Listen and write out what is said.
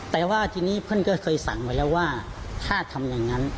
แต่เพื่อนเงินก็เคยสั่งไว้แล้วถ้าทำอย่างนั้น